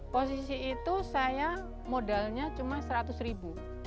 posisi itu saya modalnya cuma rp seratus